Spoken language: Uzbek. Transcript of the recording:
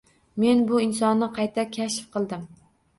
Men bu insonni qayta kashf qildim.